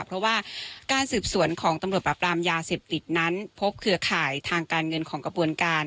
เพราะว่าการสืบสวนของตำรวจปราบรามยาเสพติดนั้นพบเครือข่ายทางการเงินของกระบวนการ